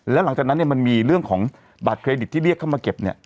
แล้วหลังจากนั้นมันมีเรื่องของบัตรเครดิตที่เรียกเข้ามาเก็บ